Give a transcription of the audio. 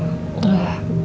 agak kurang enak badannya